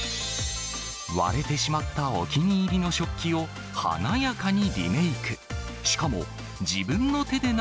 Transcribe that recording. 割れてしまったお気に入りの食器を華やかにリメーク。